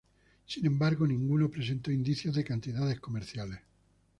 Sin embargo, ninguno presentó indicios de cantidades comerciales.